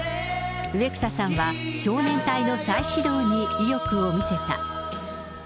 植草さんは少年隊の再始動に意欲を見せた。